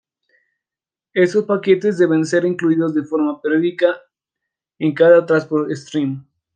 Estos paquetes deben ser incluidos de forma periódica en cada "transport stream".